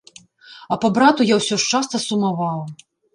А па брату я ўсё ж часта сумаваў.